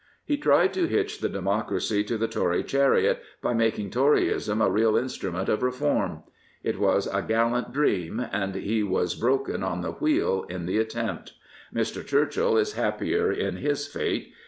He tried to hitch the democracy to the Tory chariot by making Toryism a real instrument of reform. It was a gallant dream, and he was broken on the wheel in the attempt. Mr. Churchill is happier in his fate.